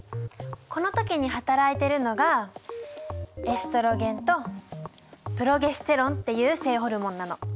この時にはたらいてるのがエストロゲンとプロゲステロンっていう性ホルモンなの。